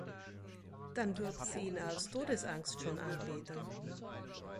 Dann würden sie ihn aus Todesangst schon anbeten.